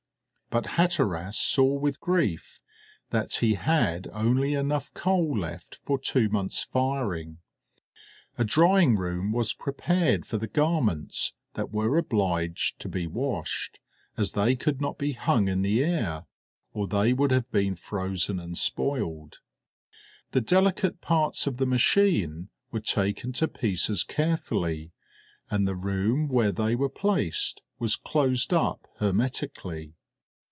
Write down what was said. But Hatteras saw with grief that he had only enough coal left for two months' firing. A drying room was prepared for the garments that were obliged to be washed, as they could not be hung in the air or they would have been frozen and spoiled. The delicate parts of the machine were taken to pieces carefully, and the room where they were placed was closed up hermetically.